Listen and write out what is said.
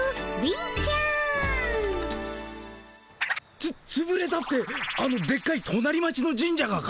つつぶれたってあのでっかいとなり町の神社がか？